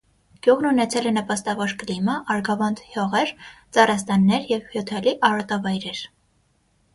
Գյուղն ունեցել է նպաստավոր կլիմա, արգավանդ հյողեր, ծառաստաններ և հյութալի արոտավայրեր։